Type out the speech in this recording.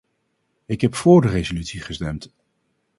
Ik heb vóór de resolutie gestemd.